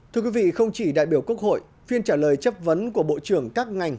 thưa quý vị không chỉ đại biểu quốc hội phiên trả lời chất vấn của bộ trưởng các ngành